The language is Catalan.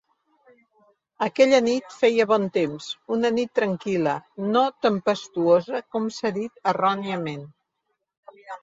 Aquella nit feia bon temps, una nit tranquil·la, no tempestuosa com s'ha dit erròniament.